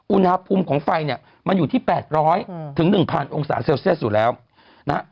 อุณหภูมิของไฟเนี่ยมันอยู่ที่๘๐๐ถึง๑๐๐องศาเซลเซียสอยู่แล้วนะฮะ